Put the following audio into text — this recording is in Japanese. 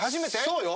そうよ。